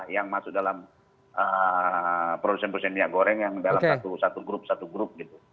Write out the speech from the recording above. yang masuk dalam produsen produsen minyak goreng yang dalam satu grup satu grup gitu